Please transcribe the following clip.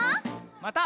また。